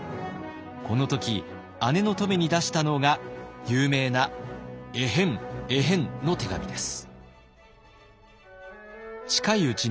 この時姉の乙女に出したのが有名な「エヘンエヘン」の手紙です。